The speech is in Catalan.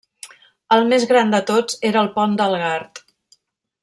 El més gran de tots era el Pont del Gard.